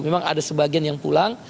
memang ada sebagian yang pulang